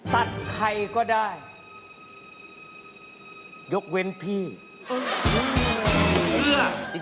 ใครก็ได้ยกเว้นพี่